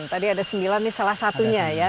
tadi ada sembilan nih salah satunya ya